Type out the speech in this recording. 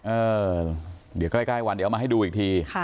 เออเดี๋ยวใกล้วันเดี๋ยวมาให้ดูอีกที